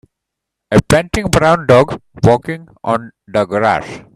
A panting brown dog walking on the grass.